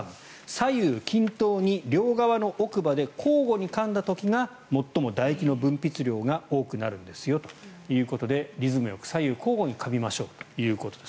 左右均等に両側の奥歯で交互にかんだ時が最もだ液の分泌量が多くなるんですよということでリズムよく左右交互にかみましょうということです。